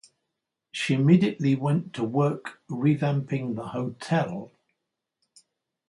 She immediately went to work revamping the hotel.